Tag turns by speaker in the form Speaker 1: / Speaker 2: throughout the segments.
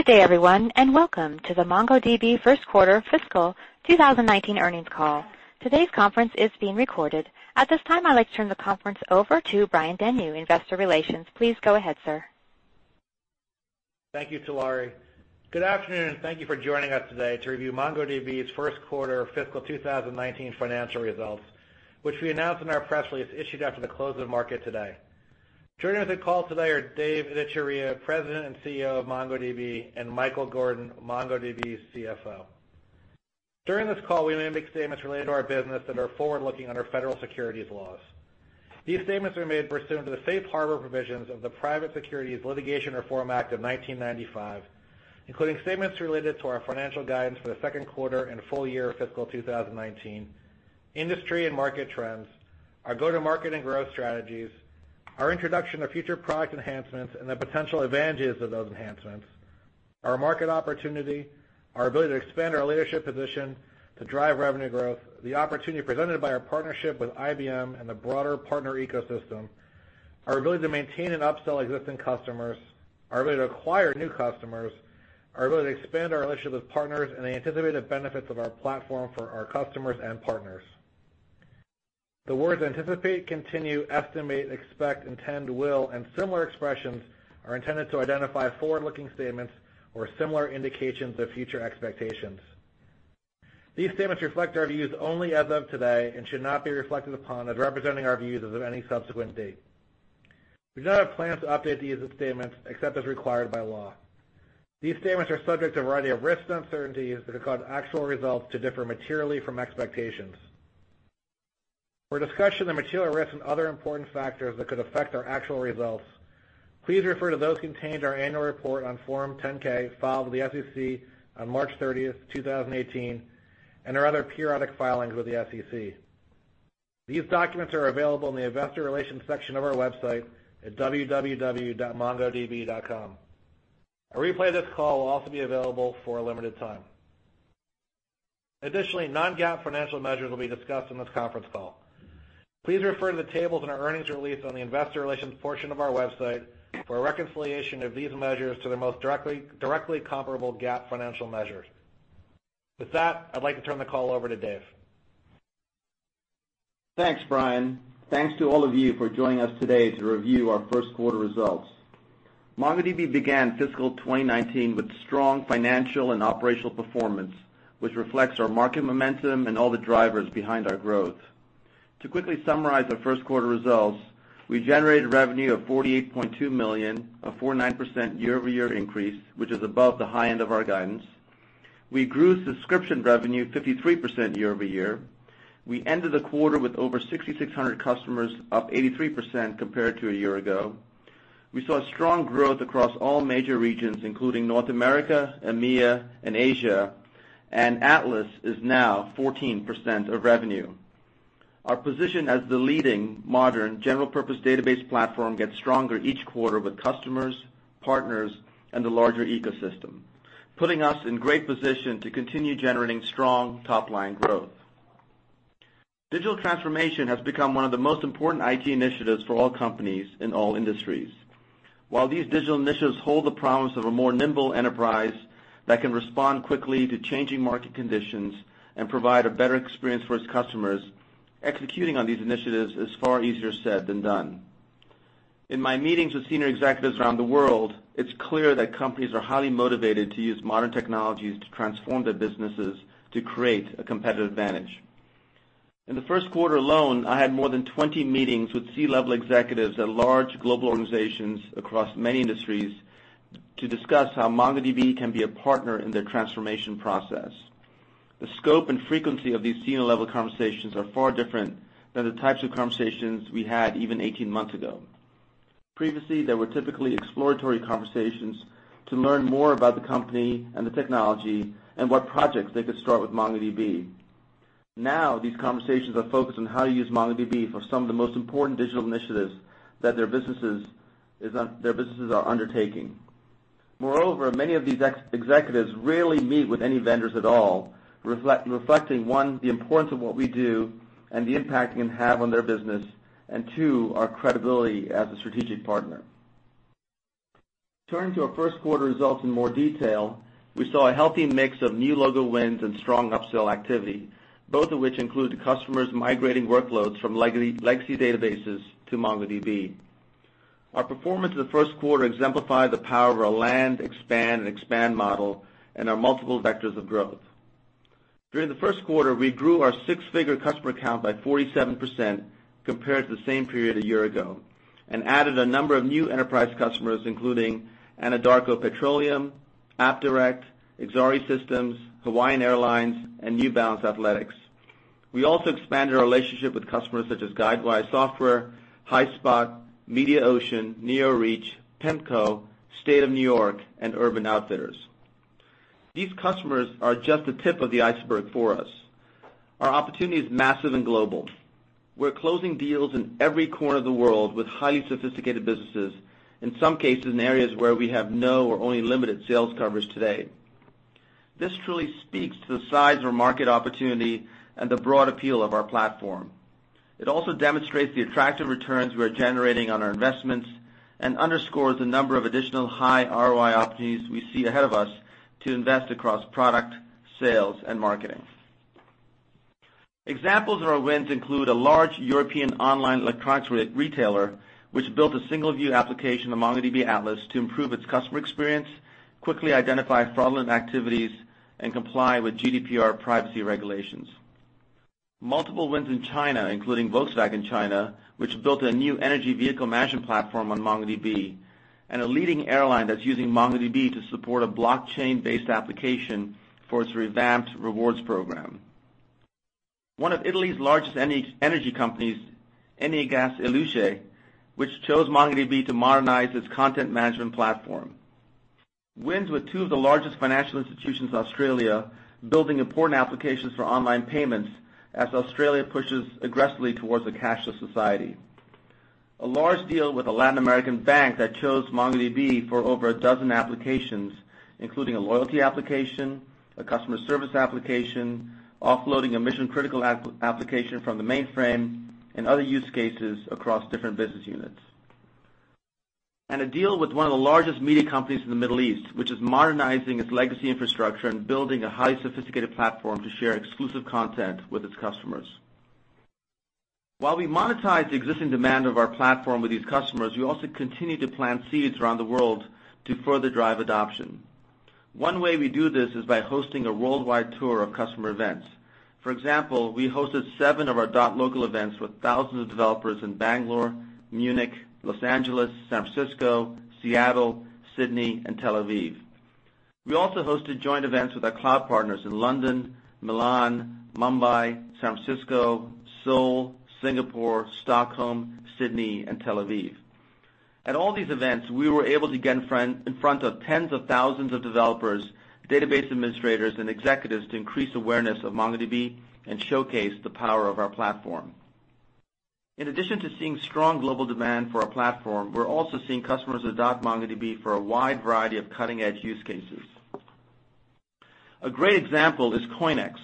Speaker 1: Good day, everyone. Welcome to the MongoDB first quarter fiscal 2019 earnings call. Today's conference is being recorded. At this time, I'd like to turn the conference over to Brian Denyeau, Investor Relations. Please go ahead, sir.
Speaker 2: Thank you, Talari. Good afternoon. Thank you for joining us today to review MongoDB's first quarter fiscal 2019 financial results, which we announced in our press release issued after the close of the market today. Joining us on the call today are Dev Ittycheria, President and CEO of MongoDB, and Michael Gordon, MongoDB's CFO. During this call, we may make statements related to our business that are forward-looking under federal securities laws. These statements are made pursuant to the safe harbor provisions of the Private Securities Litigation Reform Act of 1995, including statements related to our financial guidance for the second quarter and full year fiscal 2019, industry and market trends, our go-to-market and growth strategies, our introduction of future product enhancements and the potential advantages of those enhancements, our market opportunity, our ability to expand our leadership position to drive revenue growth, the opportunity presented by our partnership with IBM and the broader partner ecosystem, our ability to maintain and upsell existing customers, our ability to acquire new customers, our ability to expand our relationship with partners, the anticipated benefits of our platform for our customers and partners. The words anticipate, continue, estimate, expect, intend, will, and similar expressions are intended to identify forward-looking statements or similar indications of future expectations. These statements reflect our views only as of today and should not be reflected upon as representing our views as of any subsequent date. We do not have plans to update these statements except as required by law. These statements are subject to a variety of risks and uncertainties that could cause actual results to differ materially from expectations. For a discussion of the material risks and other important factors that could affect our actual results, please refer to those contained in our annual report on Form 10-K filed with the SEC on March 30, 2018, and our other periodic filings with the SEC. These documents are available in the investor relations section of our website at www.mongodb.com. A replay of this call will also be available for a limited time. Additionally, non-GAAP financial measures will be discussed on this conference call. Please refer to the tables in our earnings release on the investor relations portion of our website for a reconciliation of these measures to the most directly comparable GAAP financial measures. With that, I'd like to turn the call over to Dev.
Speaker 3: Thanks, Brian. Thanks to all of you for joining us today to review our first quarter results. MongoDB began fiscal 2019 with strong financial and operational performance, which reflects our market momentum and all the drivers behind our growth. To quickly summarize our first quarter results, we generated revenue of $48.2 million, a 49% year-over-year increase, which is above the high end of our guidance. We grew subscription revenue 53% year-over-year. We ended the quarter with over 6,600 customers, up 83% compared to a year ago. We saw strong growth across all major regions, including North America, EMEA, and Asia, and Atlas is now 14% of revenue. Our position as the leading modern general-purpose database platform gets stronger each quarter with customers, partners, and the larger ecosystem, putting us in great position to continue generating strong top-line growth. Digital transformation has become one of the most important IT initiatives for all companies in all industries. While these digital initiatives hold the promise of a more nimble enterprise that can respond quickly to changing market conditions and provide a better experience for its customers, executing on these initiatives is far easier said than done. In my meetings with senior executives around the world, it's clear that companies are highly motivated to use modern technologies to transform their businesses to create a competitive advantage. In the first quarter alone, I had more than 20 meetings with C-level executives at large global organizations across many industries to discuss how MongoDB can be a partner in their transformation process. The scope and frequency of these senior-level conversations are far different than the types of conversations we had even 18 months ago. Previously, they were typically exploratory conversations to learn more about the company and the technology and what projects they could start with MongoDB. Now, these conversations are focused on how to use MongoDB for some of the most important digital initiatives that their businesses are undertaking. Moreover, many of these ex-executives rarely meet with any vendors at all, reflecting, one, the importance of what we do and the impact it can have on their business, and two, our credibility as a strategic partner. Turning to our first quarter results in more detail, we saw a healthy mix of new logo wins and strong upsell activity, both of which include customers migrating workloads from legacy databases to MongoDB. Our performance in the first quarter exemplified the power of our land, expand and expand model and our multiple vectors of growth. During the first quarter, we grew our six-figure customer count by 47% compared to the same period a year ago and added a number of new enterprise customers, including Anadarko Petroleum, AppDirect, Exari Systems, Hawaiian Airlines, and New Balance Athletics. We also expanded our relationship with customers such as Guidewire Software, Highspot, Mediaocean, NeoReach, PEMCO, State of New York, and Urban Outfitters. These customers are just the tip of the iceberg for us. Our opportunity is massive and global. We're closing deals in every corner of the world with highly sophisticated businesses, in some cases in areas where we have no or only limited sales coverage today. This truly speaks to the size of our market opportunity and the broad appeal of our platform. It also demonstrates the attractive returns we are generating on our investments and underscores the number of additional high ROI opportunities we see ahead of us to invest across product, sales, and marketing. Examples of our wins include a large European online electronics retailer, which built a single-view application on MongoDB Atlas to improve its customer experience, quickly identify fraudulent activities, and comply with GDPR privacy regulations. Multiple wins in China, including Volkswagen China, which built a new energy vehicle management platform on MongoDB, and a leading airline that's using MongoDB to support a blockchain-based application for its revamped rewards program. One of Italy's largest energy companies, Eni gas e luce, which chose MongoDB to modernize its content management platform. Wins with two of the largest financial institutions in Australia, building important applications for online payments as Australia pushes aggressively towards a cashless society. A large deal with a Latin American bank that chose MongoDB for over a dozen applications, including a loyalty application, a customer service application, offloading a mission-critical application from the mainframe, and other use cases across different business units. A deal with one of the largest media companies in the Middle East, which is modernizing its legacy infrastructure and building a highly sophisticated platform to share exclusive content with its customers. While we monetize the existing demand of our platform with these customers, we also continue to plant seeds around the world to further drive adoption. One way we do this is by hosting a worldwide tour of customer events. For example, we hosted seven of our MongoDB.local events with thousands of developers in Bangalore, Munich, Los Angeles, San Francisco, Seattle, Sydney, and Tel Aviv. We also hosted joint events with our cloud partners in London, Milan, Mumbai, San Francisco, Seoul, Singapore, Stockholm, Sydney, and Tel Aviv. At all these events, we were able to get in front of tens of thousands of developers, database administrators, and executives to increase awareness of MongoDB and showcase the power of our platform. In addition to seeing strong global demand for our platform, we're also seeing customers adopt MongoDB for a wide variety of cutting-edge use cases. A great example is Koinex,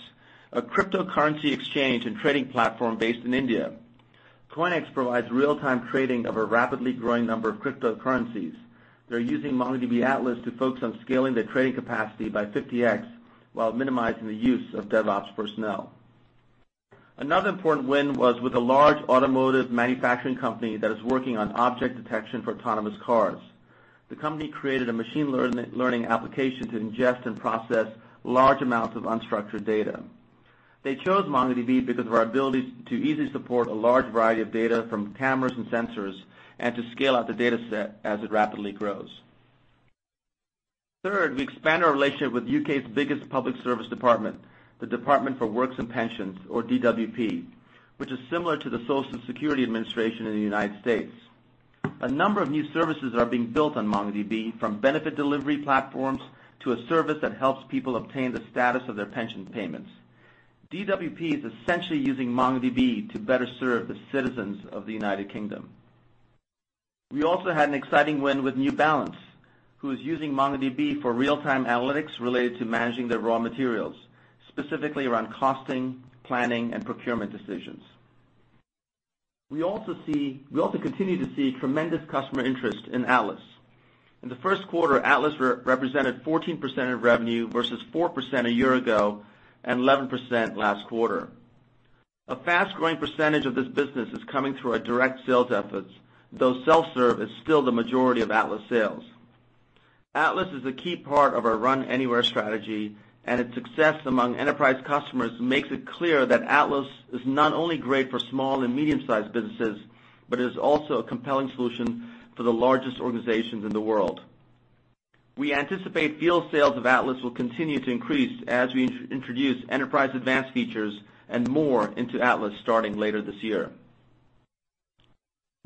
Speaker 3: a cryptocurrency exchange and trading platform based in India. Koinex provides real-time trading of a rapidly growing number of cryptocurrencies. They're using MongoDB Atlas to focus on scaling their trading capacity by 50x while minimizing the use of DevOps personnel. Another important win was with a large automotive manufacturing company that is working on object detection for autonomous cars. The company created a machine learning application to ingest and process large amounts of unstructured data. They chose MongoDB because of our ability to easily support a large variety of data from cameras and sensors and to scale out the data set as it rapidly grows. Third, we expand our relationship with the U.K.'s biggest public service department, the Department for Work and Pensions, or DWP, which is similar to the Social Security Administration in the United States. A number of new services are being built on MongoDB, from benefit delivery platforms to a service that helps people obtain the status of their pension payments. DWP is essentially using MongoDB to better serve the citizens of the United Kingdom. We also had an exciting win with New Balance, who is using MongoDB for real-time analytics related to managing their raw materials, specifically around costing, planning, and procurement decisions. We also continue to see tremendous customer interest in Atlas. In the first quarter, Atlas represented 14% of revenue versus 4% a year ago and 11% last quarter. A fast-growing percentage of this business is coming through our direct sales efforts, though self-serve is still the majority of Atlas sales. Atlas is a key part of our Run Anywhere strategy, and its success among enterprise customers makes it clear that Atlas is not only great for small and medium-sized businesses, but is also a compelling solution for the largest organizations in the world. We anticipate deal sales of Atlas will continue to increase as we introduce Enterprise Advanced features and more into Atlas starting later this year.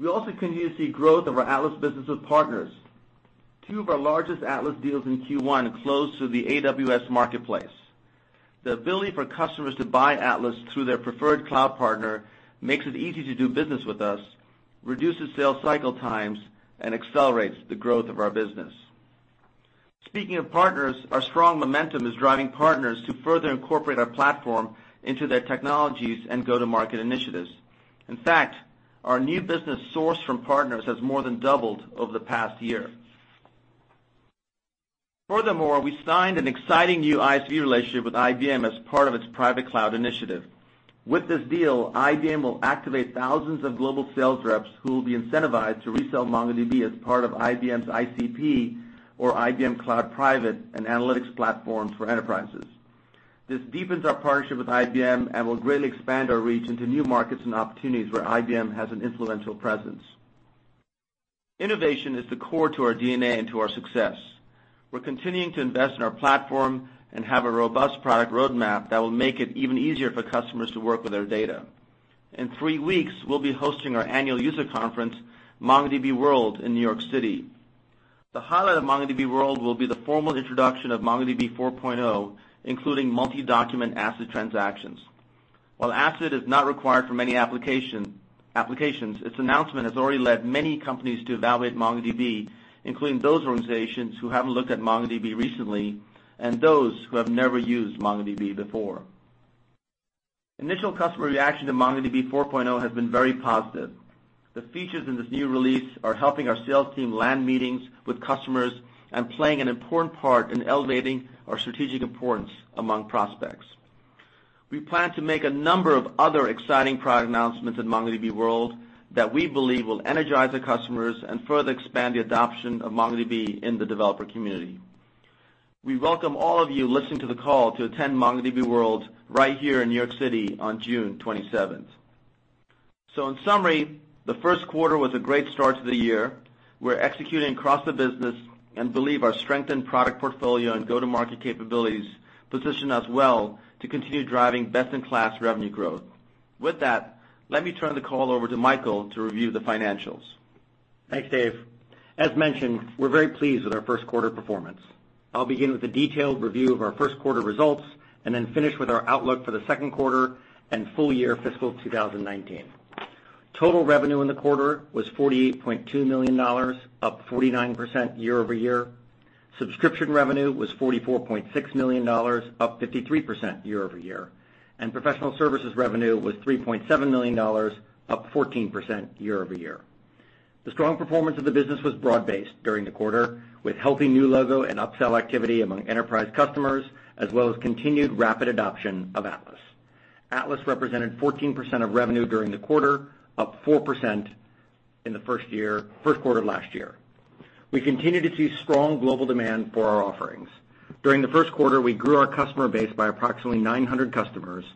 Speaker 3: We also continue to see growth of our Atlas business with partners. Two of our largest Atlas deals in Q1 closed through the AWS Marketplace. The ability for customers to buy Atlas through their preferred cloud partner makes it easy to do business with us, reduces sales cycle times, and accelerates the growth of our business. Speaking of partners, our strong momentum is driving partners to further incorporate our platform into their technologies and go-to-market initiatives. In fact, our new business sourced from partners has more than doubled over the past year. Furthermore, we signed an exciting new ISV relationship with IBM as part of its private cloud initiative. With this deal, IBM will activate thousands of global sales reps who will be incentivized to resell MongoDB as part of IBM's ICP, or IBM Cloud Private, and analytics platforms for enterprises. This deepens our partnership with IBM and will greatly expand our reach into new markets and opportunities where IBM has an influential presence. Innovation is the core to our DNA and to our success. We're continuing to invest in our platform and have a robust product roadmap that will make it even easier for customers to work with their data. In three weeks, we'll be hosting our annual user conference, MongoDB World, in New York City. The highlight of MongoDB World will be the formal introduction of MongoDB 4.0, including multi-document ACID transactions. While ACID is not required for many applications, its announcement has already led many companies to evaluate MongoDB, including those organizations who haven't looked at MongoDB recently, and those who have never used MongoDB before. Initial customer reaction to MongoDB 4.0 has been very positive. The features in this new release are helping our sales team land meetings with customers and playing an important part in elevating our strategic importance among prospects. We plan to make a number of other exciting product announcements at MongoDB World that we believe will energize the customers and further expand the adoption of MongoDB in the developer community. We welcome all of you listening to the call to attend MongoDB World right here in New York City on June 27th. In summary, the first quarter was a great start to the year. We're executing across the business and believe our strengthened product portfolio and go-to-market capabilities position us well to continue driving best-in-class revenue growth. With that, let me turn the call over to Michael to review the financials.
Speaker 4: Thanks, Dev. As mentioned, we're very pleased with our first quarter performance. I'll begin with a detailed review of our first quarter results, then finish with our outlook for the second quarter and full year fiscal 2019. Total revenue in the quarter was $48.2 million, up 49% year-over-year. Subscription revenue was $44.6 million, up 53% year-over-year. Professional services revenue was $3.7 million, up 14% year-over-year. The strong performance of the business was broad-based during the quarter, with healthy new logo and upsell activity among enterprise customers, as well as continued rapid adoption of Atlas. Atlas represented 14% of revenue during the quarter, up 4% in the first quarter last year. We continue to see strong global demand for our offerings. During the first quarter, we grew our customer base by approximately 900 customers,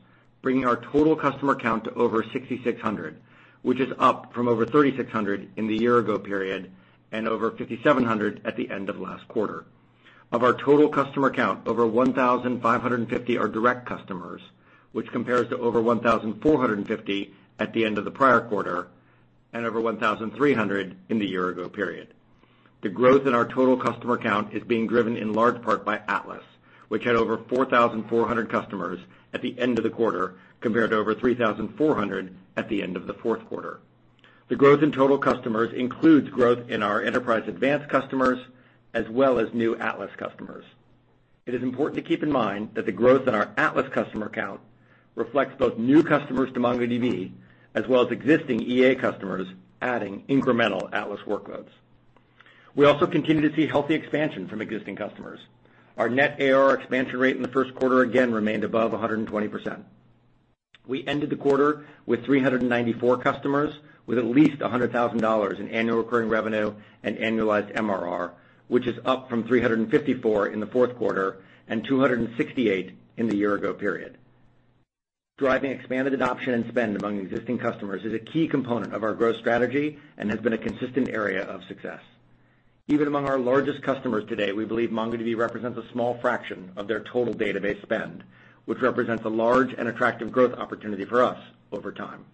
Speaker 4: bringing our total customer count to over 6,600, which is up from over 3,600 in the year ago period, and over 5,700 at the end of last quarter. Of our total customer count, over 1,550 are direct customers, which compares to over 1,450 at the end of the prior quarter, and over 1,300 in the year ago period. The growth in our total customer count is being driven in large part by Atlas, which had over 4,400 customers at the end of the quarter, compared to over 3,400 at the end of the fourth quarter. The growth in total customers includes growth in our Enterprise Advanced customers, as well as new Atlas customers. It is important to keep in mind that the growth in our Atlas customer count reflects both new customers to MongoDB, as well as existing EA customers adding incremental Atlas workloads. We also continue to see healthy expansion from existing customers. Our net ARR expansion rate in the first quarter again remained above 120%. We ended the quarter with 394 customers with at least $100,000 in annual recurring revenue and annualized MRR, which is up from 354 in the fourth quarter and 268 in the year ago period. Driving expanded adoption and spend among existing customers is a key component of our growth strategy and has been a consistent area of success. Even among our largest customers today, we believe MongoDB represents a small fraction of their total database spend, which represents a large and attractive growth opportunity for us over time.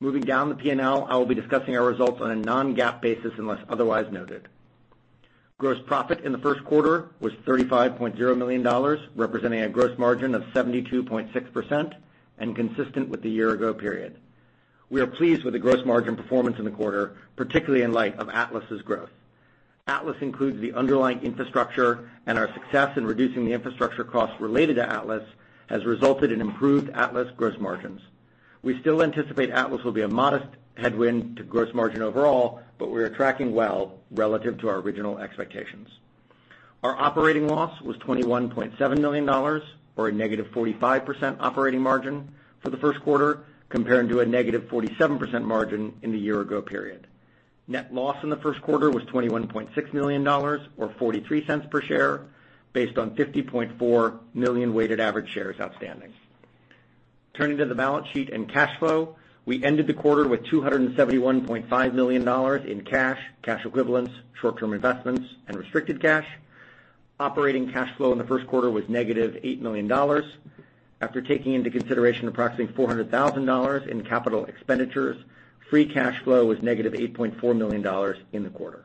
Speaker 4: Moving down the P&L, I will be discussing our results on a non-GAAP basis unless otherwise noted. Gross profit in the first quarter was $35.0 million, representing a gross margin of 72.6% and consistent with the year ago period. We are pleased with the gross margin performance in the quarter, particularly in light of Atlas's growth. Atlas includes the underlying infrastructure, and our success in reducing the infrastructure costs related to Atlas has resulted in improved Atlas gross margins. We still anticipate Atlas will be a modest headwind to gross margin overall, but we are tracking well relative to our original expectations. Our operating loss was $21.7 million, or a negative 45% operating margin for the first quarter, comparing to a negative 47% margin in the year ago period. Net loss in the first quarter was $21.6 million or $0.43 per share based on 50.4 million weighted average shares outstanding. Turning to the balance sheet and cash flow, we ended the quarter with $271.5 million in cash equivalents, short-term investments, and restricted cash. Operating cash flow in the first quarter was negative $8 million. After taking into consideration approximately $400,000 in capital expenditures, free cash flow was negative $8.4 million in the quarter.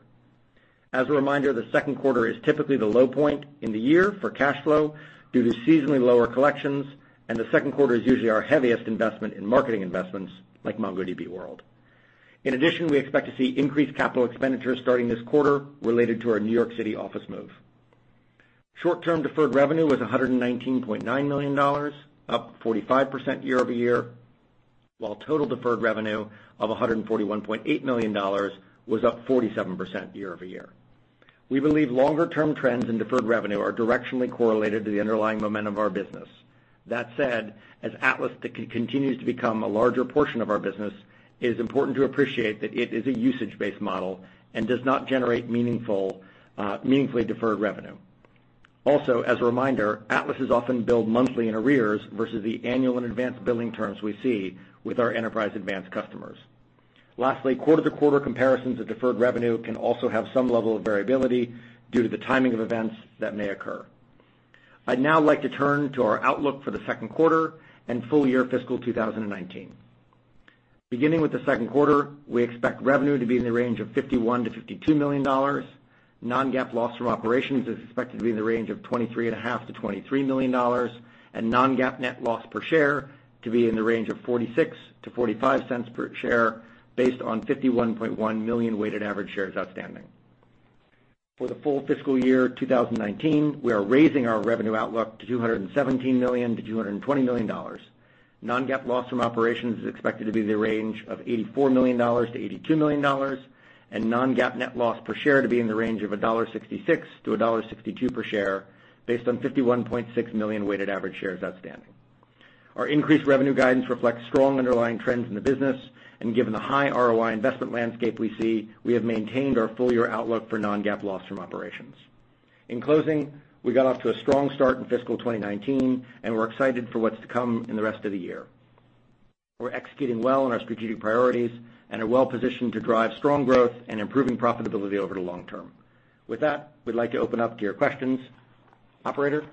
Speaker 4: As a reminder, the second quarter is typically the low point in the year for cash flow due to seasonally lower collections, and the second quarter is usually our heaviest investment in marketing investments like MongoDB World. In addition, we expect to see increased capital expenditures starting this quarter related to our New York City office move. Short-term deferred revenue was $119.9 million, up 45% year-over-year, while total deferred revenue of $141.8 million was up 47% year-over-year. We believe longer-term trends in deferred revenue are directionally correlated to the underlying momentum of our business. That said, as Atlas continues to become a larger portion of our business, it is important to appreciate that it is a usage-based model and does not generate meaningfully deferred revenue. Also, as a reminder, Atlas is often billed monthly in arrears versus the annual and advanced billing terms we see with our Enterprise Advanced customers. Lastly, quarter-to-quarter comparisons of deferred revenue can also have some level of variability due to the timing of events that may occur. I'd now like to turn to our outlook for the second quarter and full FY 2019. Beginning with the second quarter, we expect revenue to be in the range of $51 million-$52 million. Non-GAAP loss from operations is expected to be in the range of $23.5 million-$23 million, and non-GAAP net loss per share to be in the range of $0.46-$0.45 per share based on 51.1 million weighted average shares outstanding. For the full FY 2019, we are raising our revenue outlook to $217 million-$220 million. Non-GAAP loss from operations is expected to be in the range of $84 million-$82 million, and non-GAAP net loss per share to be in the range of $1.66-$1.62 per share based on 51.6 million weighted average shares outstanding. Our increased revenue guidance reflects strong underlying trends in the business, and given the high ROI investment landscape we see, we have maintained our full-year outlook for non-GAAP loss from operations. In closing, we got off to a strong start in fiscal 2019, and we're excited for what's to come in the rest of the year. We're executing well on our strategic priorities and are well-positioned to drive strong growth and improving profitability over the long term. With that, we'd like to open up to your questions. Operator?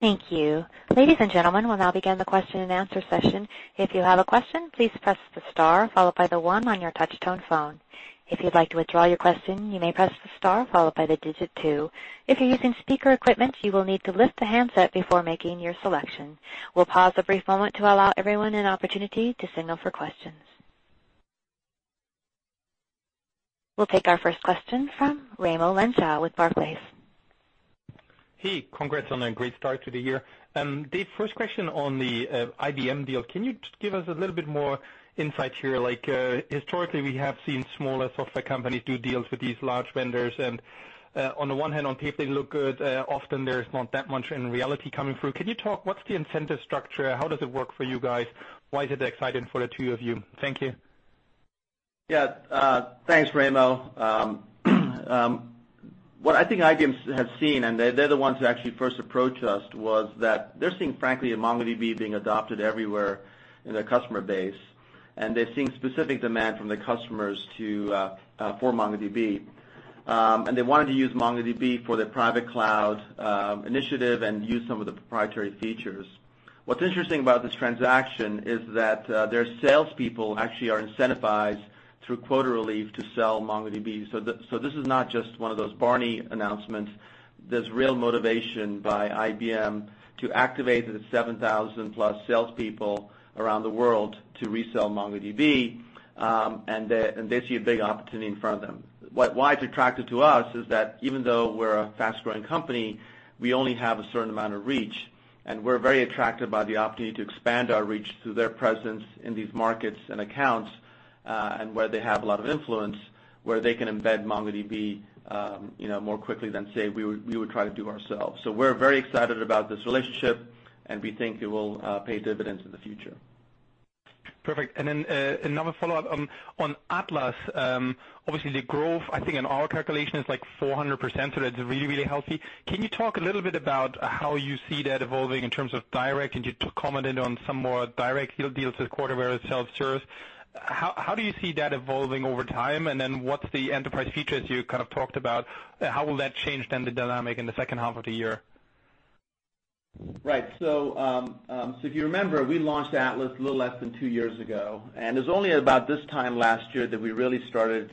Speaker 1: Thank you. Ladies and gentlemen, we'll now begin the question and answer session. If you have a question, please press the star followed by the one on your touch tone phone. If you'd like to withdraw your question, you may press the star followed by the digit two. If you're using speaker equipment, you will need to lift the handset before making your selection. We'll pause a brief moment to allow everyone an opportunity to signal for questions. We'll take our first question from Raimo Lenschow with Barclays.
Speaker 5: Hey, congrats on a great start to the year. Dev, first question on the IBM deal. Can you give us a little bit more insight here? Historically, we have seen smaller software companies do deals with these large vendors. On the one hand, on paper they look good. Often there's not that much in reality coming through. Can you talk, what's the incentive structure? How does it work for you guys? Why is it exciting for the two of you? Thank you.
Speaker 3: Yeah. Thanks, Raimo. What I think IBM has seen, and they're the ones who actually first approached us, was that they're seeing, frankly, MongoDB being adopted everywhere in their customer base, and they're seeing specific demand from the customers for MongoDB. They wanted to use MongoDB for their private cloud initiative and use some of the proprietary features. What's interesting about this transaction is that their salespeople actually are incentivized through quota relief to sell MongoDB. This is not just one of those Barney announcements. There's real motivation by IBM to activate the 7,000-plus salespeople around the world to resell MongoDB, and they see a big opportunity in front of them. Why it's attractive to us is that even though we're a fast-growing company, we only have a certain amount of reach, and we're very attracted by the opportunity to expand our reach through their presence in these markets and accounts, and where they have a lot of influence, where they can embed MongoDB more quickly than, say, we would try to do ourselves. We're very excited about this relationship, and we think it will pay dividends in the future.
Speaker 5: Perfect. Another follow-up on Atlas. Obviously, the growth, I think in our calculation is like 400%, so that's really, really healthy. Can you talk a little bit about how you see that evolving in terms of direct? You commented on some more direct deals with quarter where it's self-service. How do you see that evolving over time? What's the enterprise features you kind of talked about? How will that change then the dynamic in the second half of the year?
Speaker 3: Right. If you remember, we launched Atlas a little less than two years ago, and it's only about this time last year that we really started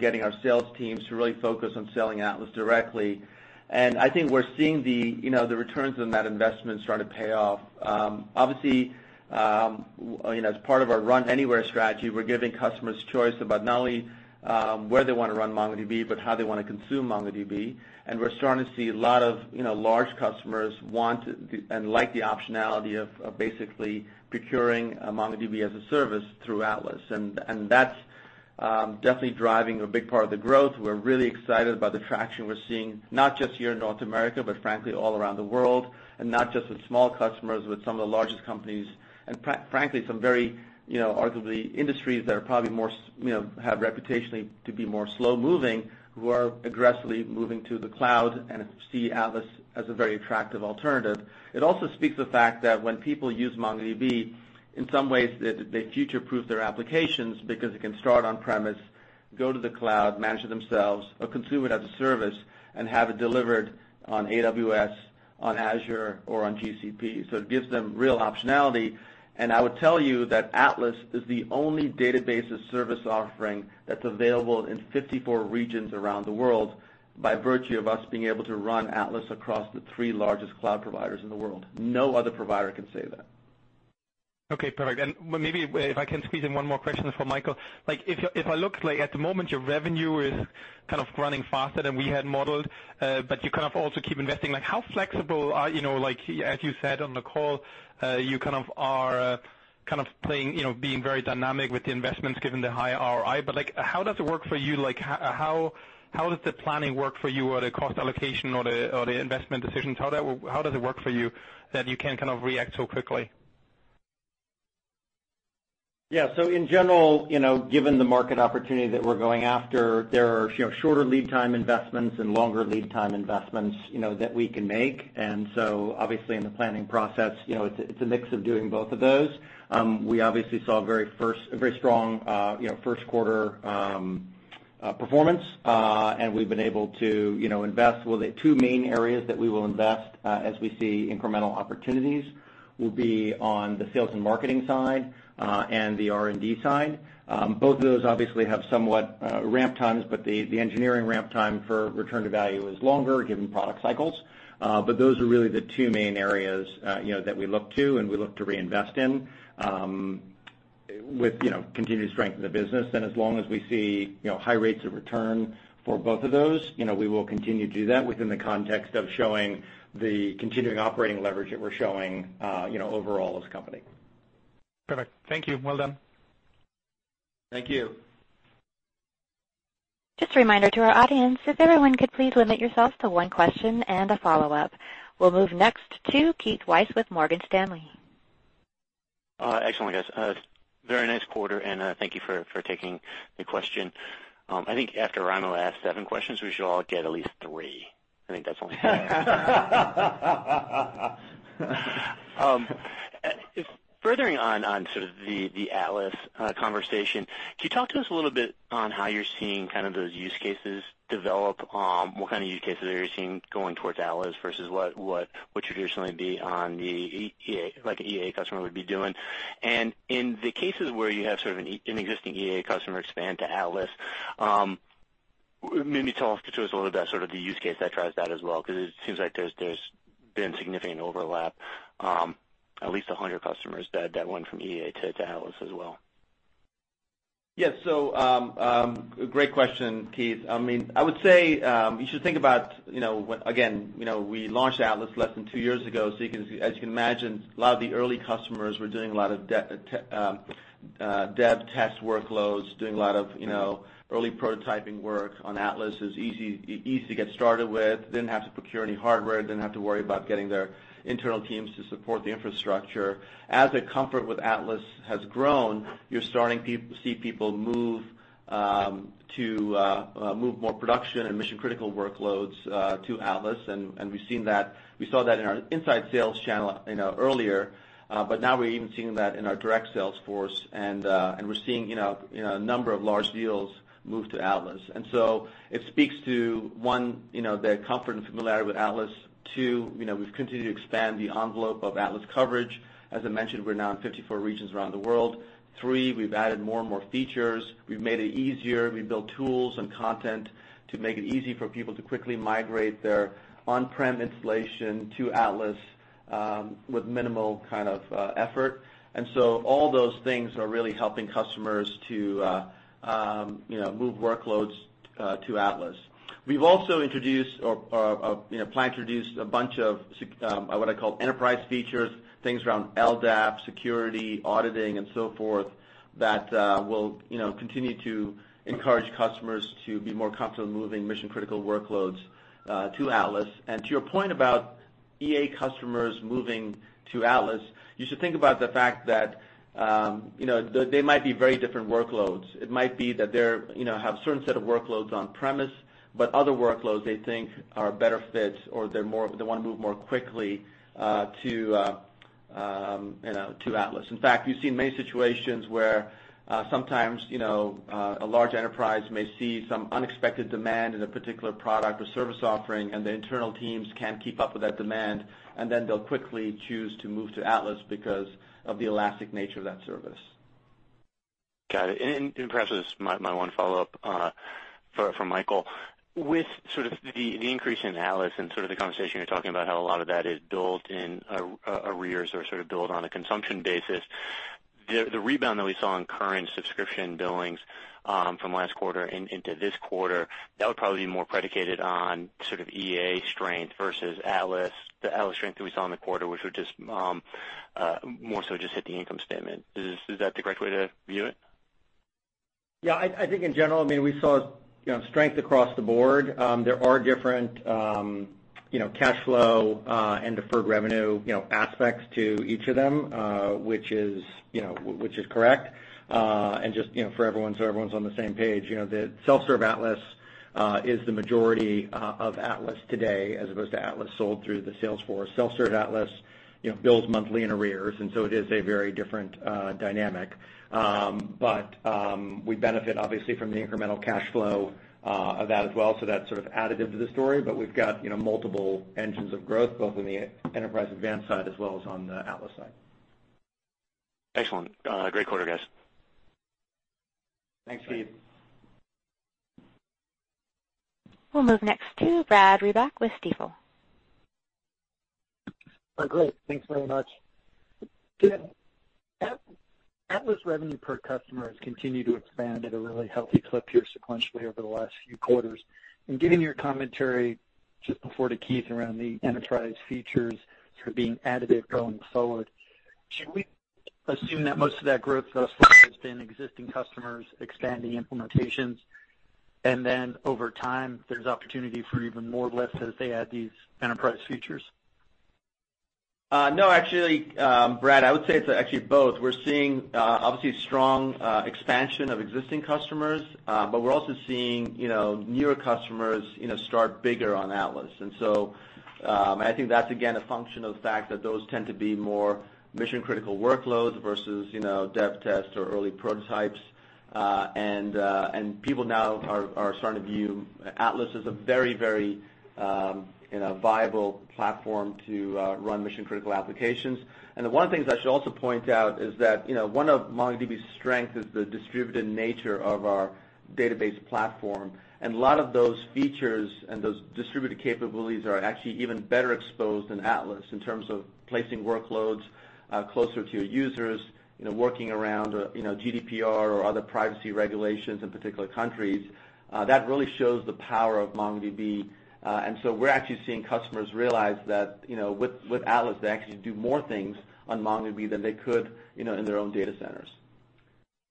Speaker 3: getting our sales teams to really focus on selling Atlas directly. I think we're seeing the returns on that investment starting to pay off. Obviously, as part of our Run Anywhere strategy, we're giving customers choice about not only where they want to run MongoDB, but how they want to consume MongoDB. We're starting to see a lot of large customers want and like the optionality of basically procuring a MongoDB as a service through Atlas. That's definitely driving a big part of the growth. We're really excited about the traction we're seeing, not just here in North America, but frankly, all around the world. Not just with small customers, with some of the largest companies, and frankly, some very arguably industries that probably have reputationally to be more slow-moving, who are aggressively moving to the cloud and see Atlas as a very attractive alternative. It also speaks to the fact that when people use MongoDB, in some ways, they future-proof their applications because it can start on-premise, go to the cloud, manage it themselves, or consume it as a service and have it delivered on AWS, on Azure, or on GCP. It gives them real optionality. I would tell you that Atlas is the only database as service offering that's available in 54 regions around the world by virtue of us being able to run Atlas across the three largest cloud providers in the world. No other provider can say that.
Speaker 5: Okay, perfect. Maybe if I can squeeze in one more question for Michael. If I look, at the moment, your revenue is kind of growing faster than we had modeled, but you kind of also keep investing. How flexible are, as you said on the call, you are being very dynamic with the investments given the high ROI. How does it work for you? How does the planning work for you, or the cost allocation or the investment decisions? How does it work for you that you can kind of react so quickly?
Speaker 4: Yeah. In general, given the market opportunity that we're going after, there are shorter lead time investments and longer lead time investments that we can make. Obviously in the planning process, it's a mix of doing both of those. We obviously saw a very strong first quarter performance, and we've been able to invest. Well, the two main areas that we will invest, as we see incremental opportunities, will be on the sales and marketing side, and the R&D side. Both of those obviously have somewhat ramp times, but the engineering ramp time for return to value is longer given product cycles. Those are really the two main areas that we look to and we look to reinvest in, with continued strength in the business. As long as we see high rates of return for both of those, we will continue to do that within the context of showing the continuing operating leverage that we're showing overall as a company.
Speaker 5: Perfect. Thank you. Well done.
Speaker 3: Thank you.
Speaker 1: Just a reminder to our audience, if everyone could please limit yourself to one question and a follow-up. We'll move next to Keith Weiss with Morgan Stanley.
Speaker 6: Excellent, guys. Very nice quarter, and thank you for taking the question. I think after Raimo asked seven questions, we should all get at least three. I think that's only fair. Furthering on sort of the Atlas conversation, could you talk to us a little bit on how you're seeing kind of those use cases develop? What kind of use cases are you seeing going towards Atlas versus what would traditionally be on the EA, like an EA customer would be doing? In the cases where you have sort of an existing EA customer expand to Atlas, maybe talk to us a little about sort of the use case that drives that as well, because it seems like there's been significant overlap, at least 100 customers that went from EA to Atlas as well.
Speaker 3: Yes, great question, Keith. I would say, you should think about, again, we launched Atlas less than two years ago, as you can imagine, a lot of the early customers were doing a lot of dev test workloads, doing a lot of early prototyping work on Atlas. It was easy to get started with, didn't have to procure any hardware, didn't have to worry about getting their internal teams to support the infrastructure. As their comfort with Atlas has grown, you're starting to see people move more production and mission-critical workloads to Atlas, we saw that in our inside sales channel earlier. Now we're even seeing that in our direct sales force, we're seeing a number of large deals move to Atlas. It speaks to, one, their comfort and familiarity with Atlas. Two, we've continued to expand the envelope of Atlas coverage. As I mentioned, we're now in 54 regions around the world. Three, we've added more and more features. We've made it easier. We've built tools and content to make it easy for people to quickly migrate their on-prem installation to Atlas, with minimal kind of effort. All those things are really helping customers to move workloads to Atlas. We've also introduced or plan to introduce a bunch of what I call enterprise features, things around LDAP, security, auditing, and so forth, that will continue to encourage customers to be more comfortable moving mission-critical workloads to Atlas. To your point about EA customers moving to Atlas, you should think about the fact that they might be very different workloads. It might be that they have certain set of workloads on premise, but other workloads they think are better fits, or they want to move more quickly to Atlas. In fact, we've seen many situations where sometimes a large enterprise may see some unexpected demand in a particular product or service offering, and the internal teams can't keep up with that demand, then they'll quickly choose to move to Atlas because of the elastic nature of that service.
Speaker 6: Got it. Perhaps this is my one follow-up for Michael. With sort of the increase in Atlas and sort of the conversation, you're talking about how a lot of that is built in arrears or sort of built on a consumption basis. The rebound that we saw in current subscription billings from last quarter into this quarter, that would probably be more predicated on sort of EA strength versus the Atlas strength that we saw in the quarter, which would just more so just hit the income statement. Is that the correct way to view it?
Speaker 4: Yeah, I think in general, we saw strength across the board. There are different cash flow and deferred revenue aspects to each of them, which is correct. Just so everyone's on the same page, the self-serve Atlas is the majority of Atlas today as opposed to Atlas sold through the sales force. Self-serve Atlas bills monthly in arrears, it is a very different dynamic. We benefit obviously from the incremental cash flow of that as well, that's sort of additive to the story. We've got multiple engines of growth, both on the Enterprise Advanced side as well as on the Atlas side.
Speaker 6: Excellent. Great quarter, guys.
Speaker 3: Thanks, Keith.
Speaker 1: We'll move next to Brad Reback with Stifel.
Speaker 7: Great. Thanks very much. Atlas revenue per customer has continued to expand at a really healthy clip here sequentially over the last few quarters. Given your commentary just before to Keith around the enterprise features sort of being additive going forward, should we assume that most of that growth thus far has been existing customers expanding implementations, and then over time, there's opportunity for even more lifts as they add these enterprise features?
Speaker 3: No, actually, Brad, I would say it's actually both. We're seeing, obviously, strong expansion of existing customers. We're also seeing newer customers start bigger on Atlas. I think that's again a function of the fact that those tend to be more mission-critical workloads versus dev test or early prototypes. People now are starting to view Atlas as a very viable platform to run mission-critical applications. The one thing that I should also point out is that one of MongoDB's strength is the distributed nature of our database platform. A lot of those features and those distributed capabilities are actually even better exposed in Atlas in terms of placing workloads closer to your users, working around GDPR or other privacy regulations in particular countries. That really shows the power of MongoDB. We're actually seeing customers realize that with Atlas, they actually do more things on MongoDB than they could in their own data centers.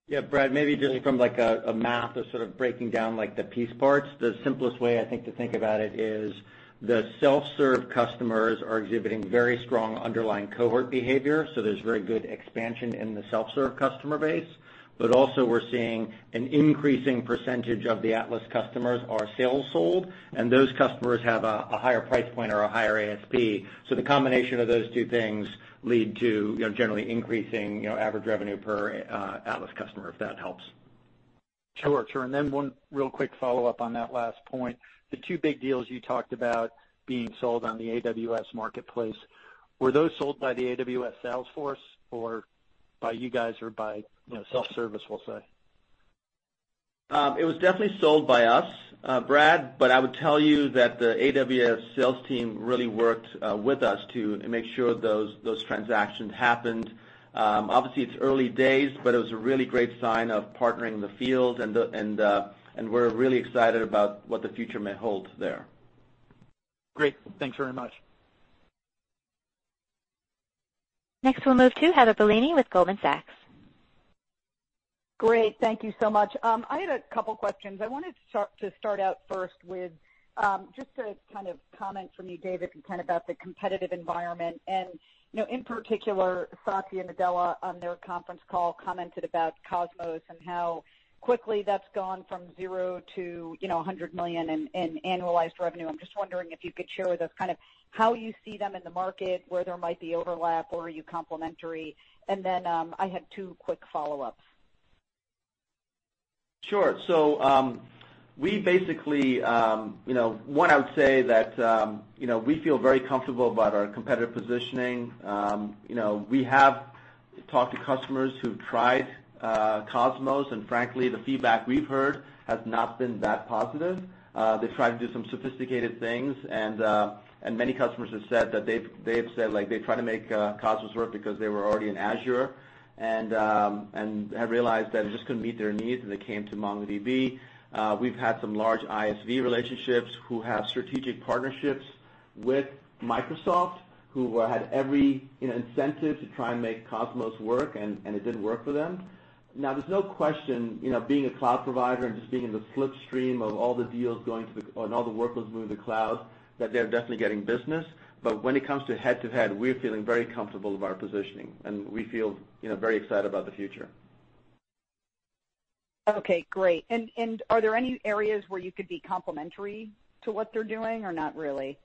Speaker 4: Yeah, Brad, maybe just from a math of sort of breaking down the piece parts, the simplest way, I think, to think about it is the self-serve customers are exhibiting very strong underlying cohort behavior, so there's very good expansion in the self-serve customer base. Also we're seeing an increasing percentage of the Atlas customers are sales sold, and those customers have a higher price point or a higher ASP. The combination of those two things lead to generally increasing average revenue per Atlas customer, if that helps.
Speaker 7: Sure. One real quick follow-up on that last point, the two big deals you talked about being sold on the AWS Marketplace, were those sold by the AWS sales force or by you guys or by self-service, we'll say?
Speaker 3: It was definitely sold by us, Brad, but I would tell you that the AWS sales team really worked with us to make sure those transactions happened. Obviously, it's early days, but it was a really great sign of partnering in the field and we're really excited about what the future may hold there.
Speaker 7: Great. Thanks very much.
Speaker 1: We'll move to Heather Bellini with Goldman Sachs.
Speaker 8: Great. Thank you so much. I had a couple questions. I wanted to start out first with just a kind of comment from you, Dev It, kind of about the competitive environment and, in particular, Satya Nadella on their conference call commented about Cosmos and how quickly that's gone from zero to $100 million in annualized revenue. I'm just wondering if you could share with us kind of how you see them in the market, where there might be overlap, where are you complementary? I had two quick follow-ups.
Speaker 3: Sure. We basically, one, I would say that we feel very comfortable about our competitive positioning. We have talked to customers who've tried Cosmos DB, and frankly, the feedback we've heard has not been that positive. They've tried to do some sophisticated things, and many customers have said that they've said, like, they tried to make Cosmos DB work because they were already in Azure, and have realized that it just couldn't meet their needs, and they came to MongoDB. We've had some large ISV relationships who have strategic partnerships with Microsoft, who had every incentive to try and make Cosmos DB work, and it didn't work for them. There's no question, being a cloud provider and just being in the slipstream of all the deals going to the, and all the workloads moving to the cloud, that they're definitely getting business. When it comes to head-to-head, we're feeling very comfortable of our positioning, and we feel very excited about the future.
Speaker 8: Okay, great. Are there any areas where you could be complementary to what they're doing or not really?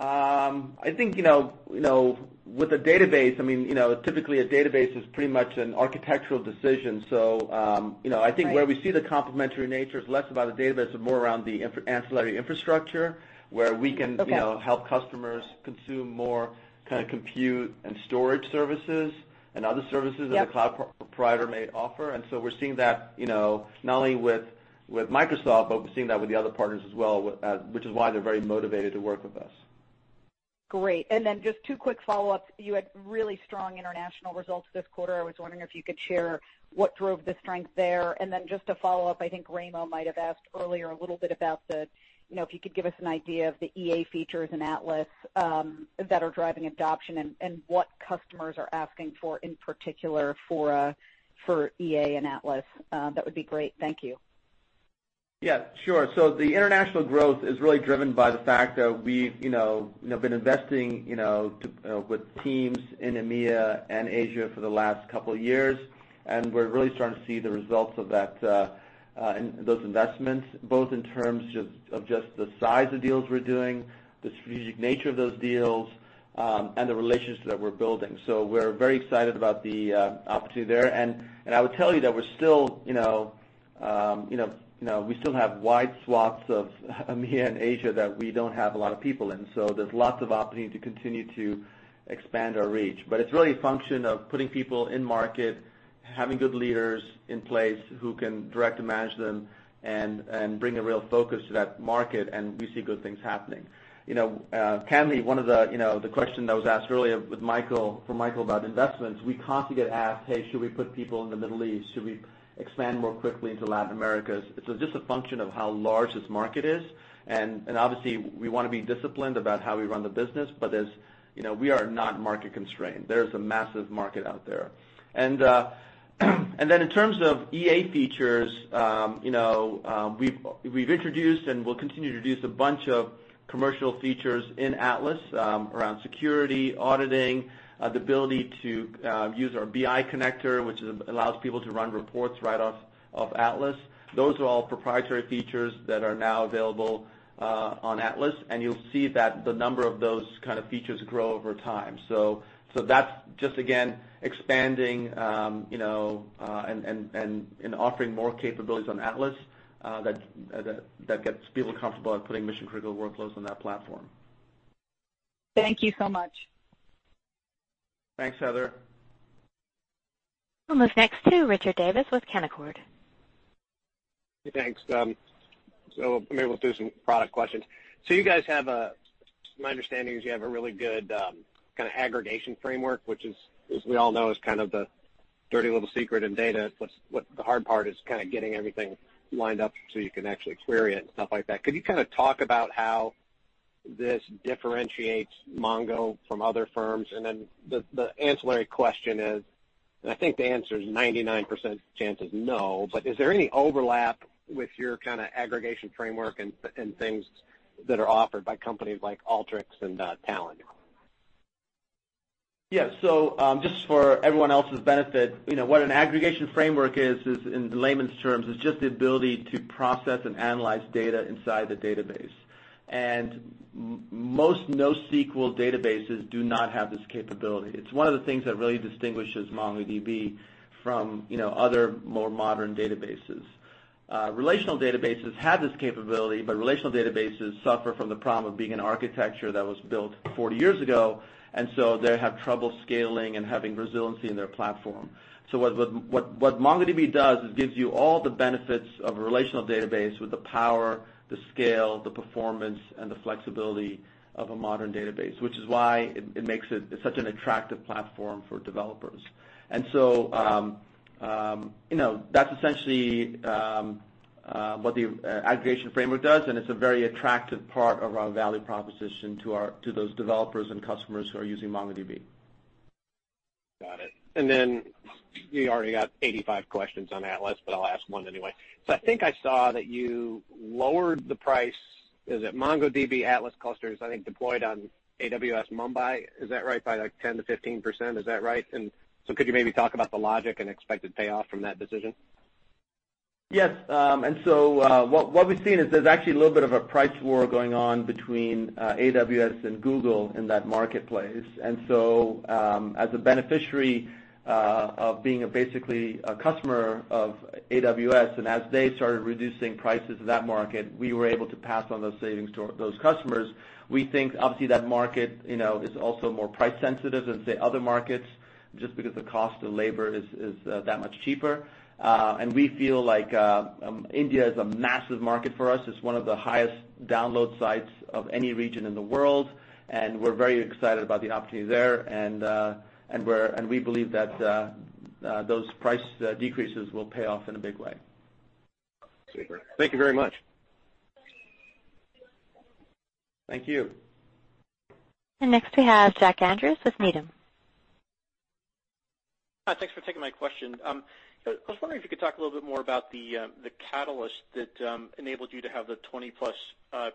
Speaker 3: I think, with a database, I mean, typically a database is pretty much an architectural decision.
Speaker 8: Right
Speaker 3: I think where we see the complementary nature is less about the database and more around the ancillary infrastructure, where we can.
Speaker 8: Okay
Speaker 3: help customers consume more kind of compute and storage services and other services.
Speaker 8: Yep
Speaker 3: that a cloud provider may offer. We're seeing that not only with Microsoft, but we're seeing that with the other partners as well, which is why they're very motivated to work with us.
Speaker 8: Great. Just two quick follow-ups. You had really strong international results this quarter. I was wondering if you could share what drove the strength there. Just to follow up, I think Raimo might have asked earlier a little bit about the, if you could give us an idea of the EA features in Atlas that are driving adoption and what customers are asking for in particular for EA and Atlas. That would be great. Thank you.
Speaker 3: Yeah, sure. The international growth is really driven by the fact that we've been investing with teams in EMEA and Asia for the last couple of years, and we're really starting to see the results of those investments, both in terms of just the size of deals we're doing, the strategic nature of those deals, and the relationships that we're building. We're very excited about the opportunity there. I would tell you that we still have wide swaths of EMEA and Asia that we don't have a lot of people in. There's lots of opportunity to continue to expand our reach. It's really a function of putting people in market, having good leaders in place who can direct and manage them and bring a real focus to that market, and we see good things happening. Candidly, one of the question that was asked earlier with Michael, for Michael about investments, we constantly get asked, "Hey, should we put people in the Middle East? Should we expand more quickly into Latin America?" It's just a function of how large this market is, and obviously, we want to be disciplined about how we run the business, but as you know, we are not market constrained. There is a massive market out there. Then in terms of EA features, we've introduced and will continue to introduce a bunch of commercial features in Atlas, around security, auditing, the ability to use our BI Connector, which allows people to run reports right off of Atlas. Those are all proprietary features that are now available on Atlas, and you'll see that the number of those kind of features grow over time. That's just, again, expanding, and offering more capabilities on Atlas, that gets people comfortable at putting mission-critical workloads on that platform.
Speaker 8: Thank you so much.
Speaker 3: Thanks, Heather.
Speaker 1: We'll move next to Richard Davis with Canaccord.
Speaker 9: Thanks. Maybe we'll do some product questions. My understanding is you have a really good aggregation framework, which as we all know, is kind of the dirty little secret in data. The hard part is getting everything lined up so you can actually query it and stuff like that. Could you talk about how this differentiates Mongo from other firms? And then the ancillary question is, I think the answer is 99% chance is no, but is there any overlap with your kind of aggregation framework and things that are offered by companies like Alteryx and Talend?
Speaker 3: Yeah. Just for everyone else's benefit, what an aggregation framework is, in layman's terms, is just the ability to process and analyze data inside the database. Most NoSQL databases do not have this capability. It's one of the things that really distinguishes MongoDB from other more modern databases. Relational databases have this capability, relational databases suffer from the problem of being an architecture that was built 40 years ago, and so they have trouble scaling and having resiliency in their platform. What MongoDB does is gives you all the benefits of a relational database with the power, the scale, the performance, and the flexibility of a modern database, which is why it makes it such an attractive platform for developers. That's essentially what the aggregation framework does, and it's a very attractive part of our value proposition to those developers and customers who are using MongoDB.
Speaker 9: Got it. You already got 85 questions on Atlas, but I'll ask one anyway. I think I saw that you lowered the price, is it MongoDB Atlas clusters, I think deployed on AWS Mumbai, is that right? By like 10%-15%, is that right? Could you maybe talk about the logic and expected payoff from that decision?
Speaker 3: Yes. What we've seen is there's actually a little bit of a price war going on between AWS and Google in that marketplace. As a beneficiary of being basically a customer of AWS, as they started reducing prices in that market, we were able to pass on those savings to those customers. We think obviously that market is also more price sensitive than, say, other markets just because the cost of labor is that much cheaper. We feel like India is a massive market for us. It's one of the highest download sites of any region in the world, and we're very excited about the opportunity there. We believe that those price decreases will pay off in a big way.
Speaker 9: Super. Thank you very much.
Speaker 3: Thank you.
Speaker 1: Next we have Jack Andrews with Needham.
Speaker 10: Hi. Thanks for taking my question. I was wondering if you could talk a little bit more about the catalyst that enabled you to have the 20-plus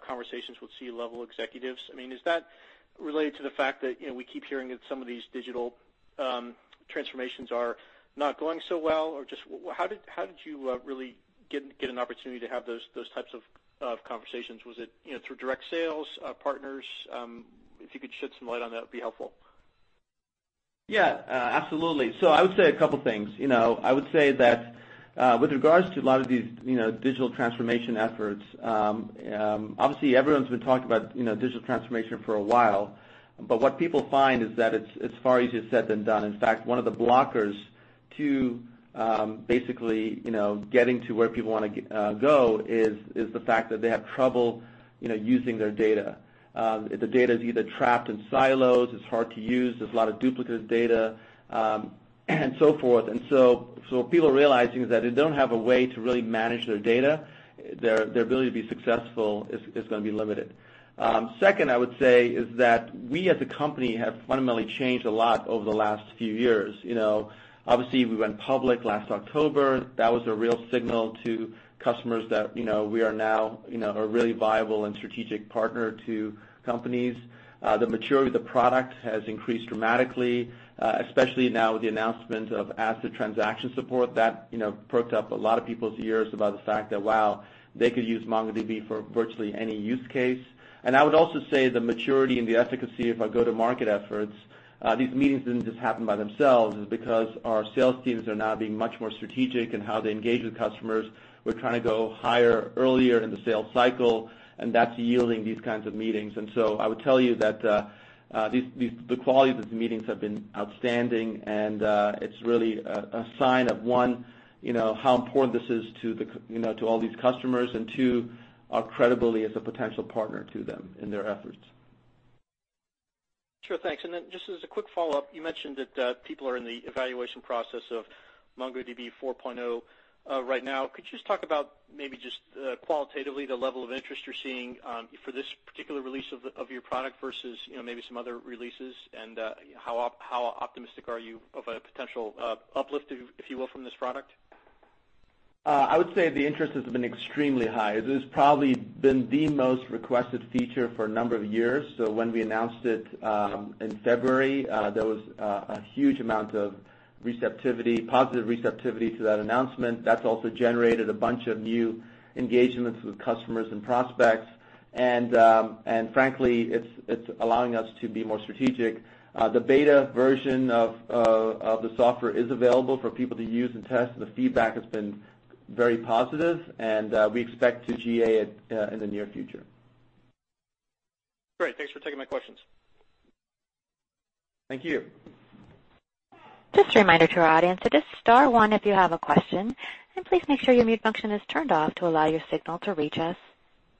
Speaker 10: conversations with C-level executives. Is that related to the fact that we keep hearing that some of these digital transformations are not going so well? Just how did you really get an opportunity to have those types of conversations? Was it through direct sales, partners? If you could shed some light on that, it would be helpful.
Speaker 3: Yeah. Absolutely. I would say a couple things. I would say that with regards to a lot of these digital transformation efforts, obviously everyone's been talking about digital transformation for a while, but what people find is that it's far easier said than done. In fact, one of the blockers to basically getting to where people want to go is the fact that they have trouble using their data. The data is either trapped in silos, it's hard to use, there's a lot of duplicate data, and so forth. People are realizing that if they don't have a way to really manage their data, their ability to be successful is going to be limited. Second, I would say is that we as a company have fundamentally changed a lot over the last few years. Obviously, we went public last October. That was a real signal to customers that we are now a really viable and strategic partner to companies. The maturity of the product has increased dramatically, especially now with the announcement of ACID transaction support that perked up a lot of people's ears about the fact that, wow, they could use MongoDB for virtually any use case. I would also say the maturity and the efficacy of our go-to-market efforts. These meetings didn't just happen by themselves, it's because our sales teams are now being much more strategic in how they engage with customers. We're trying to go higher earlier in the sales cycle, and that's yielding these kinds of meetings. I would tell you that the quality of the meetings have been outstanding, and it's really a sign of, one, how important this is to all these customers, and two, our credibility as a potential partner to them in their efforts.
Speaker 10: Sure, thanks. Just as a quick follow-up, you mentioned that people are in the evaluation process of MongoDB 4.0 right now. Could you just talk about maybe just qualitatively the level of interest you're seeing for this particular release of your product versus maybe some other releases, and how optimistic are you of a potential uplift, if you will, from this product?
Speaker 3: I would say the interest has been extremely high. This has probably been the most requested feature for a number of years. When we announced it in February, there was a huge amount of positive receptivity to that announcement. That's also generated a bunch of new engagements with customers and prospects. Frankly, it's allowing us to be more strategic. The beta version of the software is available for people to use and test, and the feedback has been very positive, and we expect to GA it in the near future.
Speaker 10: Great. Thanks for taking my questions.
Speaker 3: Thank you.
Speaker 1: Just a reminder to our audience to just star one if you have a question, and please make sure your mute function is turned off to allow your signal to reach us.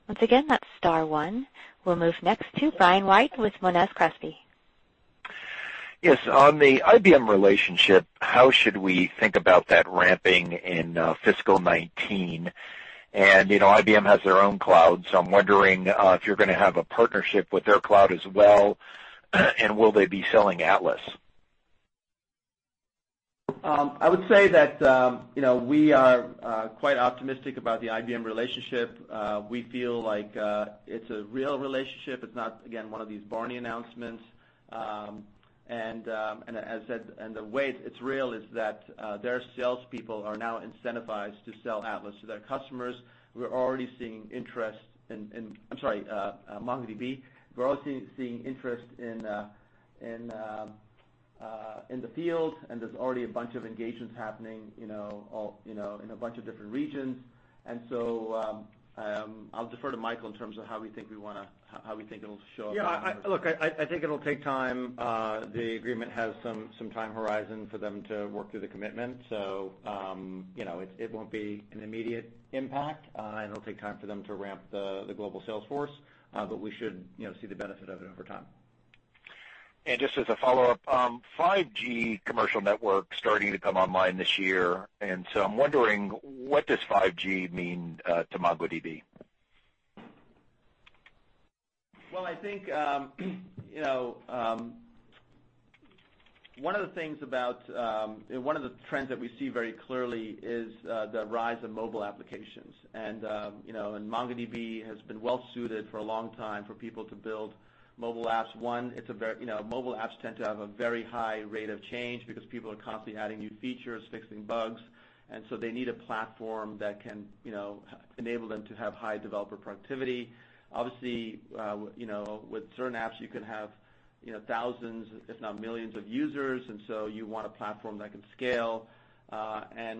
Speaker 1: Once again, that's star one. We'll move next to Brian White with Monness Crespi.
Speaker 11: Yes. On the IBM relationship, how should we think about that ramping in fiscal 2019? IBM has their own cloud, so I'm wondering if you're going to have a partnership with their cloud as well, and will they be selling Atlas?
Speaker 3: I would say that we are quite optimistic about the IBM relationship. We feel like it's a real relationship. It's not, again, one of these Barney announcements. The way it's real is that their salespeople are now incentivized to sell Atlas to their customers. We're already seeing interest in-- I'm sorry, MongoDB. We're already seeing interest in the field, and there's already a bunch of engagements happening in a bunch of different regions. I'll defer to Michael in terms of how we think it'll show up- Yeah. Look, I think it'll take time. The agreement has some time horizon for them to work through the commitment. It won't be an immediate impact, and it'll take time for them to ramp the global sales force. We should see the benefit of it over time.
Speaker 11: Just as a follow-up, 5G commercial networks starting to come online this year, I'm wondering, what does 5G mean to MongoDB?
Speaker 3: Well, I think one of the trends that we see very clearly is the rise of mobile applications. MongoDB has been well-suited for a long time for people to build mobile apps. One, mobile apps tend to have a very high rate of change because people are constantly adding new features, fixing bugs, they need a platform that can enable them to have high developer productivity. Obviously, with certain apps, you can have thousands, if not millions of users, you want a platform that can scale.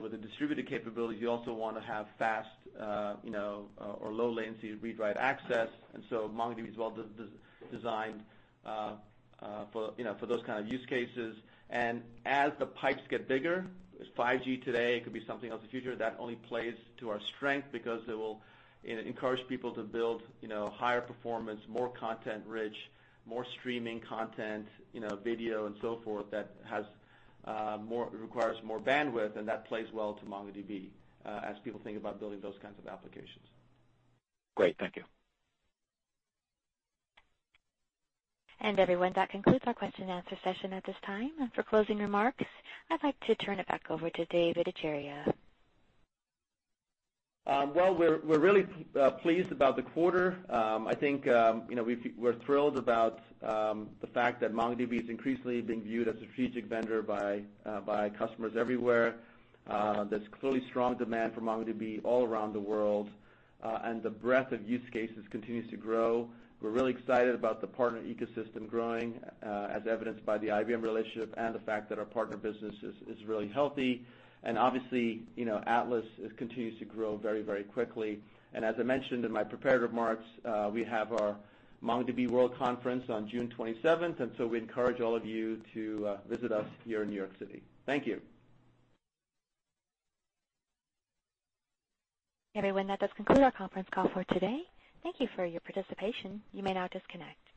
Speaker 3: With the distributed capabilities, you also want to have fast or low latency read/write access. MongoDB is well designed for those kind of use cases. As the pipes get bigger, it's 5G today, it could be something else in the future, that only plays to our strength because it will encourage people to build higher performance, more content rich, more streaming content, video and so forth, that requires more bandwidth, and that plays well to MongoDB, as people think about building those kinds of applications.
Speaker 11: Great. Thank you.
Speaker 1: Everyone, that concludes our question and answer session at this time. For closing remarks, I'd like to turn it back over to Dev Ittycheria.
Speaker 3: Well, we're really pleased about the quarter. I think we're thrilled about the fact that MongoDB is increasingly being viewed as a strategic vendor by customers everywhere. There's clearly strong demand for MongoDB all around the world, and the breadth of use cases continues to grow. We're really excited about the partner ecosystem growing, as evidenced by the IBM relationship and the fact that our partner business is really healthy. Obviously, Atlas continues to grow very quickly. As I mentioned in my prepared remarks, we have our MongoDB World Conference on June 27th, and so we encourage all of you to visit us here in New York City. Thank you.
Speaker 1: Everyone, that does conclude our conference call for today. Thank you for your participation. You may now disconnect.